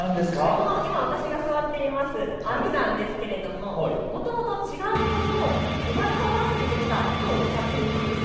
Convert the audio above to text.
今、私が座っている網ですがもともと違うものを生まれ変わらせてできた糸を使っているんです。